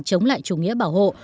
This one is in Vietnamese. chống lại chủ nghĩa bảo hộ